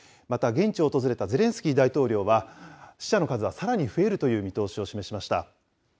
また現地を訪れたゼレンスキー大統領は、死者の数はさらに増えるという見通しを示しました。